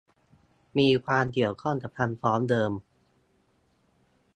มีความเกี่ยวข้องกับคำฟ้องเดิม